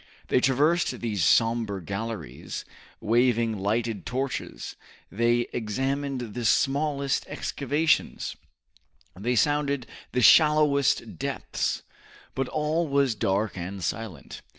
They traversed these somber galleries, waving lighted torches; they examined the smallest excavations; they sounded the shallowest depths, but all was dark and silent.